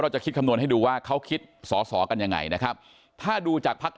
จะคิดคำนวณให้ดูว่าเขาคิดสอสอกันยังไงนะครับถ้าดูจากภักดิ์